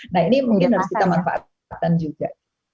nah ini mungkin harus kita manfaatkan juga